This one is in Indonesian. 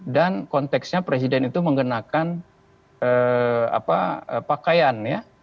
dan konteksnya presiden itu mengenakan pakaian